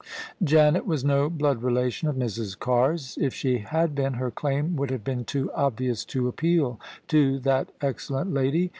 Janet was no blood relation of Mrs.' Carr's: if she had been, her claim would have been too obvious to appeal to that excellent lady.